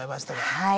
はい。